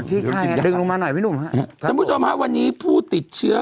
ไข้ดึงลงมาหน่อยพี่หนุ่มฮะท่านผู้ชมฮะวันนี้ผู้ติดเชื้อ